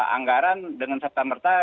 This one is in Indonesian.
anggaran dengan serta merta